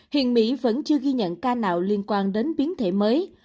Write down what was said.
hiện mỹ vẫn chưa ghi nhận ca nào liên quan đến biến thể mới